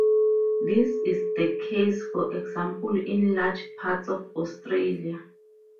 This is the case, for example, in large parts of Australia.